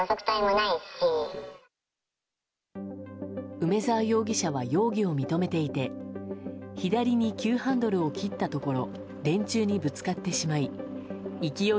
梅沢容疑者は容疑を認めていて左に急ハンドルを切ったところ電柱にぶつかってしまい勢い